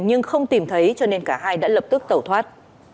nhưng không tìm thấy cho nên cả hai đã lập tức tẩu thoát